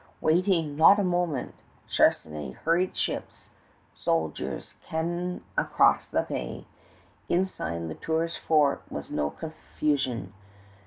Waiting not a moment, Charnisay hurried ships, soldiers, cannon across the bay. Inside La Tour's fort was no confusion.